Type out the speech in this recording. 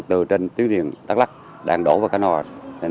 từ trên tiến đường đắk lắk đang đổ về khánh hòa